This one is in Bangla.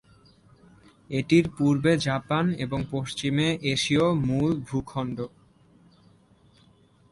এটির পূর্বে জাপান এবং পশ্চিমে এশীয় মূল ভূখণ্ড।